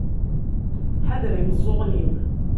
Ḥader imeẓẓuɣen-im.